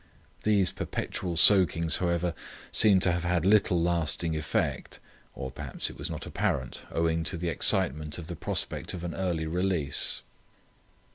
These perpetual soakings, however, seemed to have had little lasting effect, or perhaps it was not apparent owing to the excitement of the prospect of an early release.